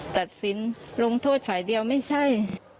ตัดสินลงโทษฝ่ายเดียวไม่ใช่